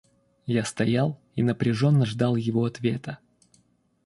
Я стоял и напряженно ждал его ответа.